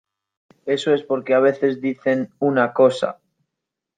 eso es porque a veces dicen una cosa